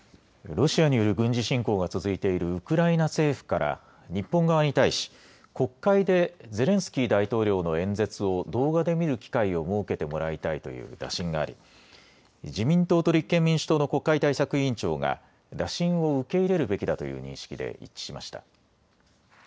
ロシアによる軍事侵攻が続いているウクライナ政府から日本側に対し国会でゼレンスキー大統領の演説を動画で見る機会を設けてもらいたいという打診があり自民党と立憲民主党の国会対策委員長が打診を受け入れるべきだという認識で一致しました。